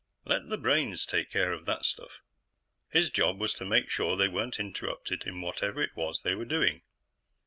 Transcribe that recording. Let the brains take care of that stuff; his job was to make sure they weren't interrupted in whatever it was they were doing.